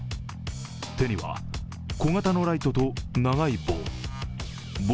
手には小型のライトと長い棒。